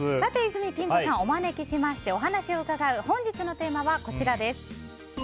泉ピン子さんをお招きしましてお話を伺う本日のテーマはこちらです。